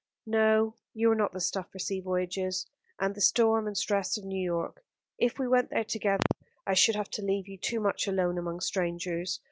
"No, you are not the stuff for sea voyages, and the storm and stress of New York. If we went there together I should have to leave you too much alone among strangers.